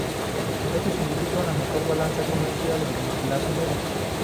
Esto significa una mejor balanza comercial en un plazo medio.